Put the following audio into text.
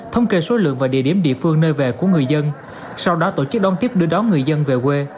thông kê số lượng và địa điểm địa phương nơi về của người dân sau đó tổ chức đón tiếp đưa đón người dân về quê